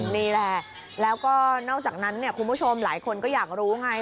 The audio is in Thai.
นี่แหละแล้วก็นอกจากนั้นเนี่ยคุณผู้ชมหลายคนก็อยากรู้ไง